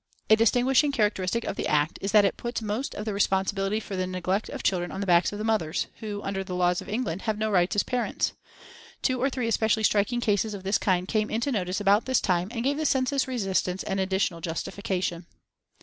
A distinguishing characteristic of the Act is that it puts most of the responsibility for neglect of children on the backs of the mothers, who, under the laws of England, have no rights as parents. Two or three especially striking cases of this kind came into notice about this time, and gave the census resistance an additional justification.